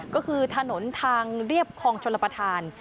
ก็คือถนนทางเรียบคลองชลประธาน